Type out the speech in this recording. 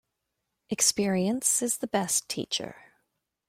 Experience is the best teacher.